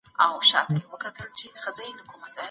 د کور په کوچنیو کارونو کې ماشومان شریک کړئ.